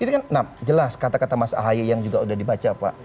karena jelas kata kata mas ahaye yang juga sudah dibaca pak